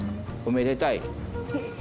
おめでたい。